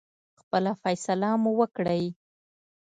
خپله فیصله مو وکړی.